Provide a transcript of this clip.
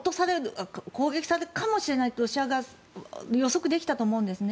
攻撃されるかもしれないとロシア側は予測できたと思うんです。